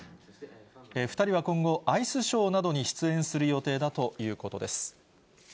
２人は今後、アイスショーなどに出演する予定だということです。